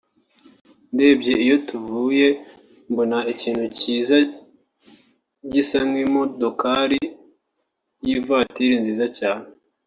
ndebye iyo tuvuye mbona ikintu kiza gisa n’imodoka y’ivatiri (voiture) nziza cyane